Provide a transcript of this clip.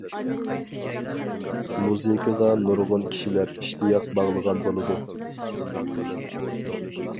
مۇزىكىغا نۇرغۇن كىشىلەر ئىشتىياق باغلىغان بولىدۇ.